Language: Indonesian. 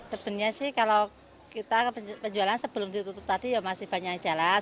sebenarnya sih kalau kita penjualan sebelum ditutup tadi ya masih banyak jalan